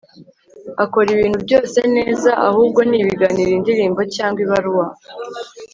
Akora ibintu byose neza ahubwo ni ibiganiro indirimbo cyangwa ibaruwa